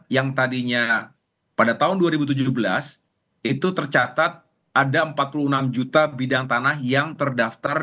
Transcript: yang tadinya pada tahun dua ribu tujuh belas itu tercatat ada empat puluh enam juta bidang tanah yang terdaftar